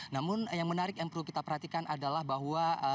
namun yang menarik yang perlu kita perhatikan adalah bahwa